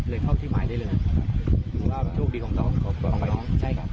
เลยเข้าที่หมายได้เลยคือว่าโชคดีของน้อง